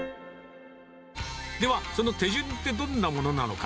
では、その手順ってどんなものなのか。